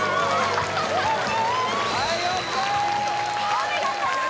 お見事！